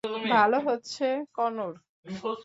ভালো হচ্ছে, কনোর।